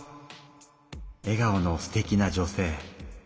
えがおのすてきな女性。